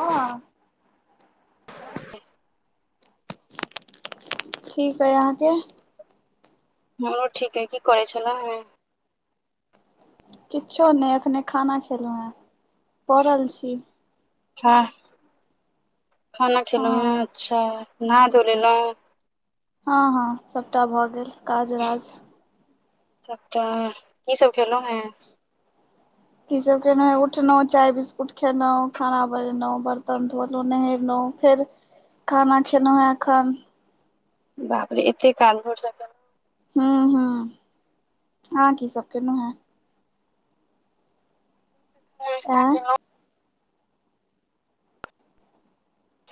हँ [inaudible] ठीक अइ अहाँ के? मोरो ठीक अहि, की करै छलहुॅ। किछो नहि अखने खाना खेलहु हेँ पड़ल छी। छा, खाना खेलहुॅ हँ हैं, अच्छा। ना धो ल लेलहुॅ। हँ -हँ सभटा भऽ गेल काज राज। सबटा की सब खेलहुॅं हें। की सब केनहु उठलहुँ चाय बिस्कुट खेलहुँ, खाना बनेेलहुँ बर्तन धोलहुँ नहेलहुँ। फेर खाना खेलौ ह अखन। बापरे एतेक काल भर स के हू -हूं -हू आहाँ की सब केलौन हैं। हेँ नास्ता के केलौ।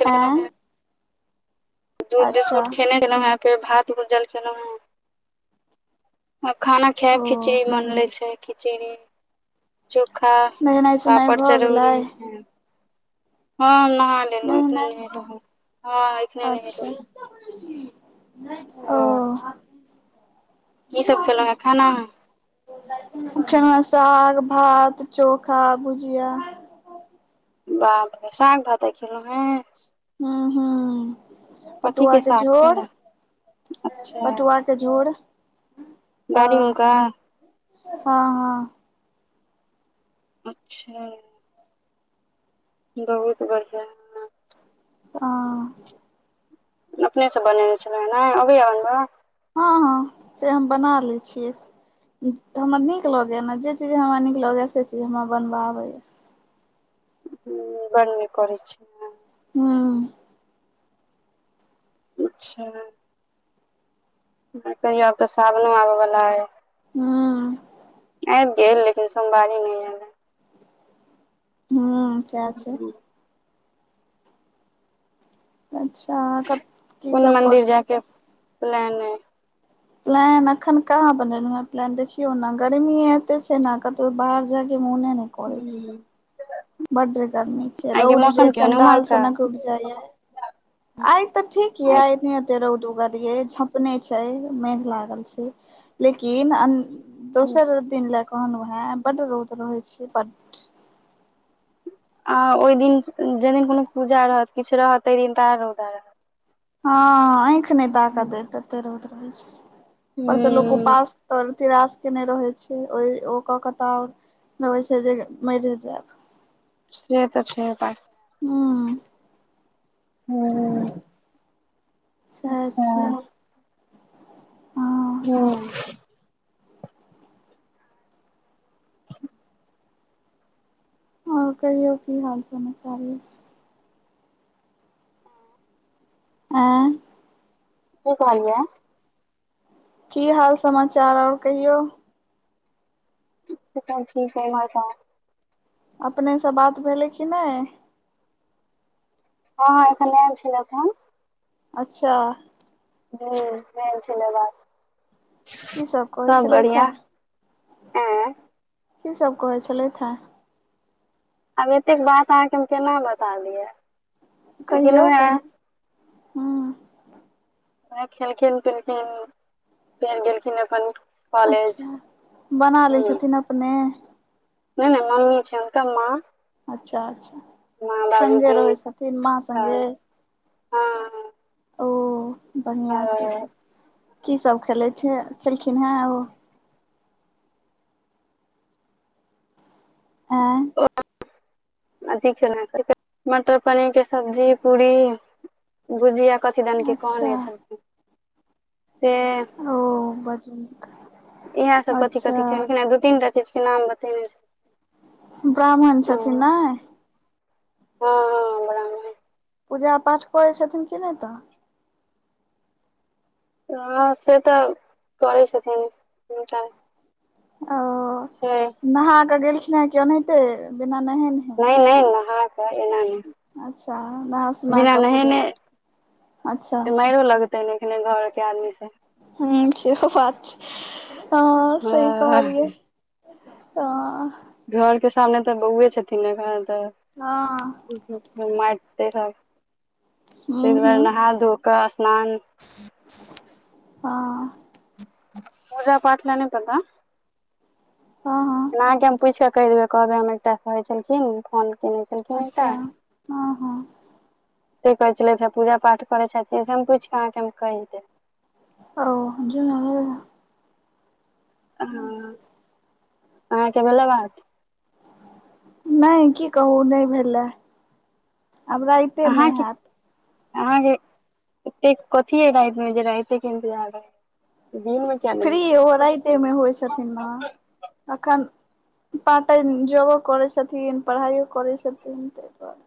खेलहुँ अंय। हेँ दूध बिस्कुट खेने छलहुँ हें, फेर भात भुजल खेलांऊ हें। आब खाना खाय ओ खिचड़ी बन लै छै खिचड़ी। चोखा, नहेनाइ सोनाइ पापड़, भऽ चरौरी, गेलै हँ नान। हँ अखने नहेनाइ नहेलो हऽ, हं अखने अच्छा नहेलाउ। ओ। हँ की सब खेलहुॅँ हेँ खाना? चना साग, भात, चोखा, भुजिया। बाह साग भाता अय खेलहुं हें। हूं -हूं पटुआ कथीके के साग झोर छलै अच्छा पटुआ झोड़ ह- बाड़ीमेका हँ- हँ। अच्छा! बहुत बढ़िआँ। ह। अपनेसँ बनेने छलै ह ने अबैया बनबऽ। हँ -हँ से हम बना लैत छियै। तऽ हमरा नीक लगैएा ने जे चीज हमरा नीक लगैएा से चीज हमरा बनबऽ आबैय। ह बढ़ नीक करै छी। हूं। अच्छा! कहियौ आब तऽ सावनो आबय बला है। हूं। आबि गेल लेकिन सोमवारी न य हू सेह छै। हम्म, अच्छा कत कोन मंदिर जायके प्लान ऐ। नै हम अखैन कहां बनैलो हे, देखियो ने गर्मी एतै छै ने, कतो बाहर जायके मोने ने हू। बड्ड गर्मी छै रौद जे मौसम केहन अइ चंडाल उम्हरका सनक उगजाए। [unintelligible] आइ ते ठीक ये आइ एते रौद उगल ये झंपने छै मेघ लागल छै। लेकिन दोसर दिन ले कहलहु हें बड्ड रौद रहे छी बड्ड। आ ओहि दिन जे दिन कोनो पूजा रहत किछु रहत तेहि दिन आर रौदा रहत। हँ आँखि नहि ताक देेत ततै रौद रहै छै ओयसे लोक हूँ उपास तोर तरास के नहि रहे छै ओ- ओ क के तर रहे छै जे मरि जायब। से तऽ छै बात हूं ह। सह छै। हँ हूं। और कहियौ की हाल समचार यै। ऐ की कहलिये। की हाल समाचार और कहियौ। ठीके-ठाक छय ईमहरका अपनेसँ बात भेलै कि नहि। हँ ह एखन ऐल छेला फोन। अच्छा। हुऽ भेल छेला बात। की सब कहै छलैथ है। एं की सब कहै छलैथ हँ। आब एतेक बात अहाँके हम केना बता दियऽ लेकिन कहियौ वैह। कनि हूँ ह खेलखिन-पिलखिन फेर गेलखिन एखन उठ अच्छा बना लैए छथिन अपने। नहि नहि मम्मी छैन कऽ माँ। अच्छा अच्छा माँ संगे बाबूजी रहै छथिन माँ संगे। सब हँ ओ बढ़िआँ छै हँ तऽ। की सब खेलैथ खेलखिन है ओ। ऐ। अधिक खैनाए खैइते मटर पनीरके सब्जी पूरी। भुजिया कथी दन के अच्छा कहने छलखिन से। ओ बड नीक। इहेसब अच्छा कथी-कथि खेलखिन है। दू तीन टा चीजके नाम बतेने छलखिन। ब्राह्मण छथिन नै। हँ हँ ब्राह्मणे। पूजा-पाठ करै छथिन कि नहि तऽ। हँ से तऽ करै छथिन दुनू टाइम। ओ। [unintelligible] नहा कऽ गेलखिन है कि ओनाहिते बिना नहेनहै। नहि नहि नहाके एना नय। अच्छा नहा सुना बिना कऽ पूजा नहेने पाठ अच्छा मायरो लगतैन एखने घरके आदमी स। ह सेहो बात छै ह सही हँ कहलियै। ह। घरके सामने तऽ बौउवै छथिन ने एखन तऽ। हँ। माइर किये खेब हूँ तैय दुआरे हूँ नहा धो कऽ स्नान हँ पूजा-पाठ में नहि पता ह हँ अहाँके हम पूछिकेऽ कहि देबै कहबै हम एकटा कहै छलखिन फोन केने छलखिन अच्छा एकटाऽ। हँ हँ से कहै छलैथ हे पूजा पाठ करै छथिन से हम पूछि कऽ अहाँके हम कहि देब। औ जोने लैन। हँ, अहाँके भेलै बात। नहि की कहू, नहि भेले, आब राति अहाँके अहाँके एते कथि है रातिमे, जे राइते के इन्तजार रहै ये। दिनमे किया नहि फ्री ओहो राइते मे होइ छथिन ने। एखन पार्ट टाइम जॉबो करैत छथिन पढ़ाइओ करैत छथिन ताहि दुआरे।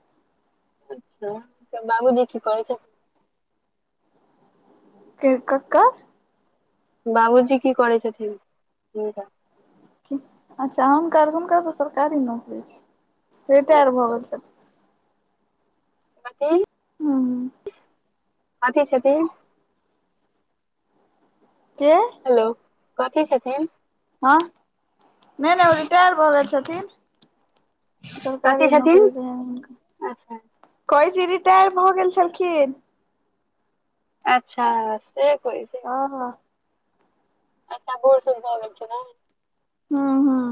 अच्छा तऽ बाबूजी की कऽरै छैथ। के क कर। बाबूजी की करै छथिन? हिनकर। अच्छा हुनकर, हुनकर तऽ सरकारी नौकरी छैन, रिटायर भऽ अच्छा गेल छथिन। अपन हुं। कथि छथिन? के? हेलो, कथी छथिन? हँ, नहि नहि ओ रिटायर भऽगेल छथिन। कथी सरकारी नौकरी छथिन रहैन हुनका। अच्छा कहै छी रिटायर भऽ गेल छलखिन। अच्छा, से कहय छी। हं हँ। पप्पा बुढ-सुढ भ गेलखिन हन। हुं हुं।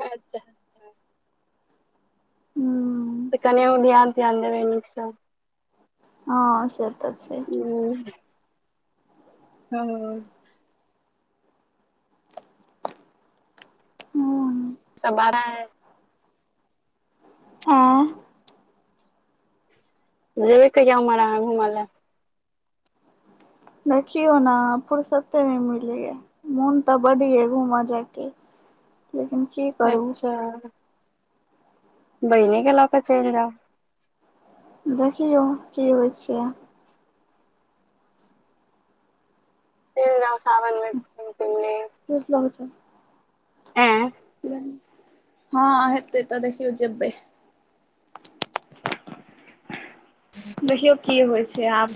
अच्छा। हुं। तऽ कनि ओ ध्यान-त्यान देबै नीकसँ। हँ से तऽ छै। हुं। तऽ आओर। [unintelligible] हुं। सब बड़ाय [unintelligible] आँ। जेबै कहिया उमहर अहाँ घूमय ले। देखियौ ने फुरसते नहि मिलै ये। मोन तऽ बड ये घूमऽ जायके, लेकिन की लए करू। अच्छा बहिनी केॅं लऽ कऽ चलि जाउ। देखियौ, की होइ छै। चलि जाउ सावन मे घुमि -फिरी लेब। बहुत लऽगय छै ऐं गरमी। हँ हेतै तऽ देखियौ जेबै। देखियौ की होइ छै आब,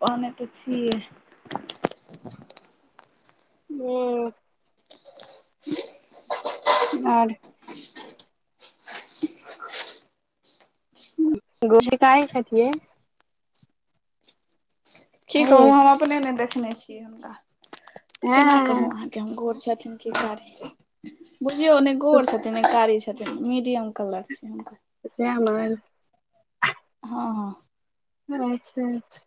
कहने तऽ छियै। हं आर। गोस्सेताय छथिन। [unintelligible] की हे कहु हम अपने ने देखने छियै हुनका त केना कहु ऐं अहाँके। कि गोर छथिन कि कारी, बुझियौ ने सुत गोर छथिन ने कारी छथिन। छथिन मीडियम कलर छै हुनकर। सेह हमर हँ -हँ अइछ - अइछ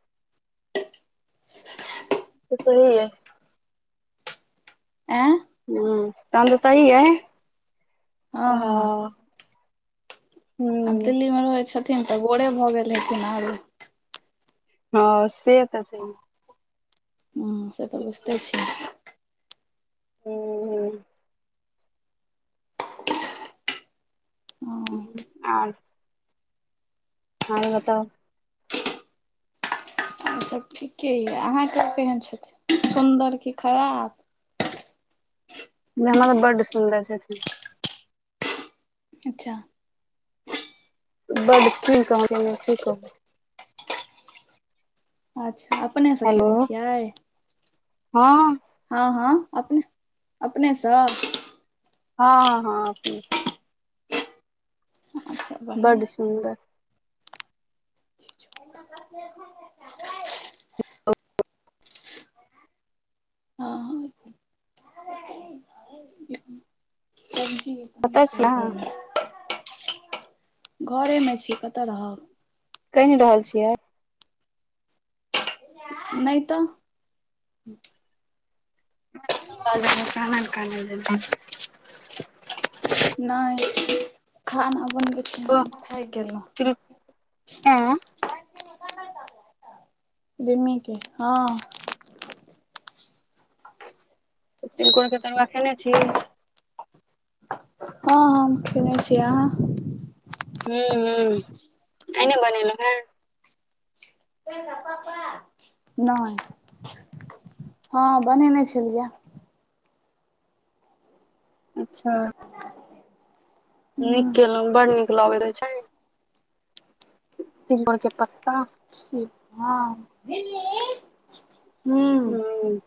तऽ सहीए आँय हूं तहन तऽ सही य ई हँ ह हँ आब दिल्लीमे रहै छथिन तऽ गोरे भऽ गेल हेथिन आरो। हँ से तऽ छहिए। ह से तऽ बुझिते छी। हू - हूं हँ हूं आल आओ बताव आओर सब ठीके यई अहाँसब केहन छथिन सुन्दर की खराब नई हम त बड सुन्दर छथिन, अच्छा बड चुन कह अन्ने छी, की कहुँ। अच्छा अपनेसँ हेलो केयने छियै। हँ हँ - हँ अपने अपने सँ हँ- हँ - हँ अपने सँ ह बड्ड सुन्दर [unintelligible] हँ कतऽ छी अहाँ [unintelligible] घरेमे छी, कतऽ रहब। कइन रहल छियै। नई तऽ अबाज लगे कानल - कानल जेना नय खाना बनबे छी, हम थाईक गेलहु। तुरुक आँ दिमी के हँ तिलकोर के तरुआ खेने छी। हँ - हँ हम खेनेै छिय, अहाँ है -हव आई नै बनेलहुँ हैं। चेल जाऊ पापा नई हँ बनेनै छलियै। अच्छा नीक हूँ केलहुँं बड नीक लगैत अछि। तिलकोर के पत्ता ठीक हँ मिमी हूँ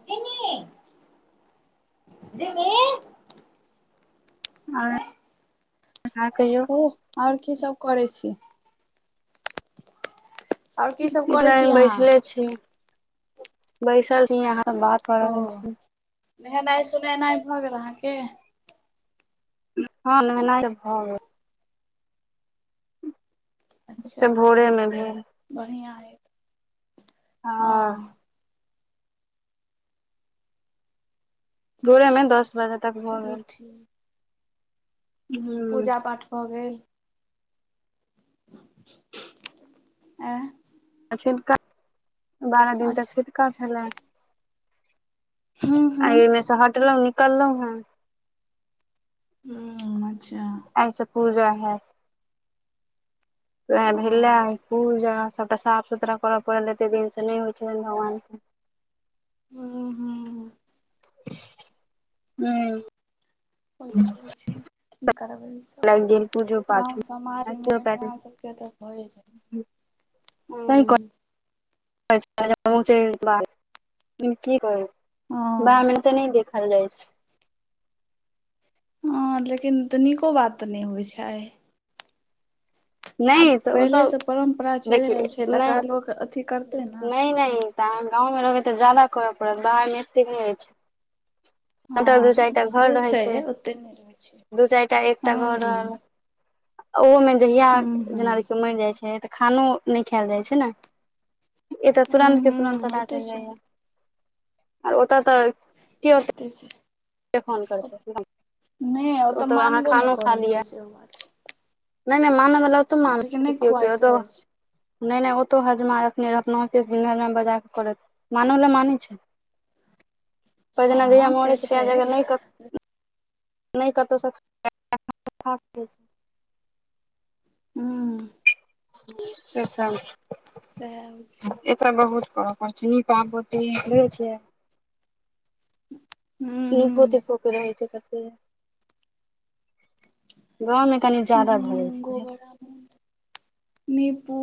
दीमी आँ हँ कहियौ। कहू आओर की सभ करै छी? आओर की सब करै इतना छी दिन अहाँ बैसले छी, बैसल छी अहाँ से बात क रहल ओ छी। नहेनाइ -सुनेनाइ भऽ गेल अहाँके? हँ नहेनाइ भऽ गेल। ओ त भोरे मे भेल। बढ़िआ अय। हँ। दूरेमे दस बजे तक भऽ गेल। हँ हूं पूजा- पाठ भऽ गेल। आ। आ छुतका, बारह दिन तऽ अच्छा छुतका छलै। हूँ आ हूँ एहिमे से हटलहुं निकललहुं हैं। हुँ अच्छा! आय से पूजा हैत। ओहे भेला हँ पूजा। सबटा साफ -सुथरा करय पड़ल, एते दिन से नहि होइ छलनि भगवान के। हुं -हुं। [inaudible] हूँ। ओइते छै, की करबै ई स लागि गेल पूजो पाठो गाँव समाजमे की अपना सबके तऽ होए जाइ छै, हुँ। ब की करब हँ बमे तऽ नहि देख [unintelligible] भेल जाय छै। हँ, लेकिन तऽ नीको बात तऽ नहि बुझाइ हय। नहि तऽ तऽ पहिलेसँ परम्परा देख चलि रहल छै नहि तकरा लोक अथी करतै ने -नहि -नहि। तऽ अहाँ गाँवमे रहबै तऽ ज्यादा करय पड़त, बाहरमे एतेक नहि रहैत छै। कत दू हँ चारिटा घर से रहै छै, ओतेक नहि रहै छै दू चारि टा, एकटा हँ घर हँ रहल। ओहोमे जहिया हूँ जेना हूँ देखियौ, मरि जाइ छै, तऽ खानो नहि खायल जाइ छै ने। ए तऽ हूँ तुरन्त के तुरत हूँ पता होइते चलि छै जाइया, आर ओतय तऽ केओ के ओते छै। ओते फोन करतै नहि ओ तऽ ओतऽ अहाँ मानबो नहि खानो खा करै लिअ छै, से बात। नहि -नहि मना म ल त मन छै क लेकिन नहि खुआइत [unintelligible] रहै छै नहि -नहि ओतो हजमा रखने रह, अपना हजमा बजा कऽ करत मोनो ने मानै छै। पर जेना जहिया हँ से मरे छै, तहिया जगह नहि कर नहि कतहुसँक छी [unintelligible] हू। सेसा [unintelligible] सएह होइ छै। त बहुत करऽ पड़ै छै, नीक काम आोती ने छै। हूँ निको हूँ -तिको के रहै छै कते। गाँवमे कनि ज्यादा भ जाय छै। निपू।